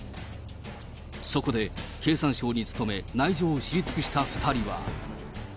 そこで、経産省に勤め、内情を知り尽くした２人は。